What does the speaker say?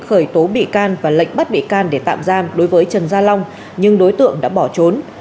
khởi tố bị can và lệnh bắt bị can để tạm giam đối với trần gia long nhưng đối tượng đã bỏ trốn